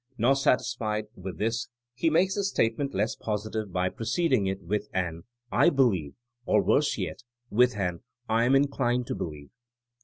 Not satisfied with this he makes his statement less positive by preced ing it with an I believe, '' or worse yet, with an '^7 am inclined to believe."